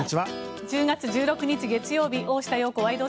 １０月１６日、月曜日「大下容子ワイド！